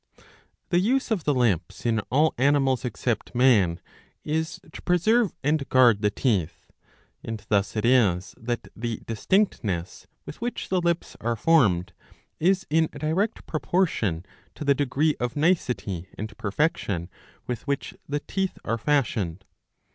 The use of the lips in all animals except man is to preserve and guard the teeth ; and thus it is that the distinctness with which the lips are formed is in direct proportion to the degree of nicety and perfection with which the teeth are fashioned.